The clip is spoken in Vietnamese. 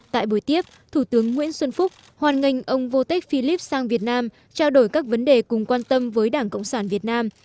tại buổi tiếp thủ tướng nguyễn xuân phúc hoàn ngành ông vô tích phi líp sang việt nam trao đổi các vấn đề cùng quan tâm với đảng cộng sản việt nam